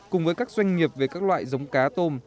cùng với các doanh nghiệp về các loại giống cá tôm